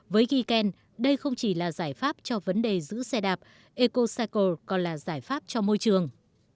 với giken đây không chỉ là giải pháp cho vấn đề giữ xe đạp ecocycle còn là giải pháp cho môi trường